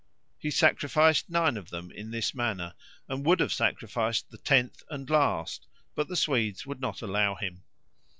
He sacrificed nine of them in this manner, and would have sacrificed the tenth and last, but the Swedes would not allow him.